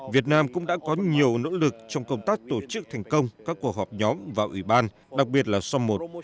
việt nam cũng đã có nhiều nỗ lực trong công tác tổ chức thành công các cuộc họp nhóm và ủy ban đặc biệt là som một